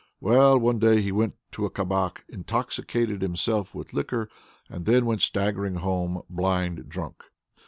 Well, one day he went to a kabak, intoxicated himself with liquor, and then went staggering home blind drunk.